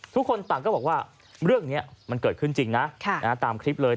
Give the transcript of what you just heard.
ทุกคนต่างก็บอกว่าเรื่องนี้มันเกิดขึ้นจริงนะตามคลิปเลย